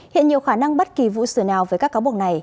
hiện nhiều khả năng bất kỳ vụ sửa nào với các cáo buộc này